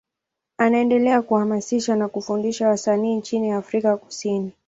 Anaendelea kuhamasisha na kufundisha wasanii nchini Afrika Kusini.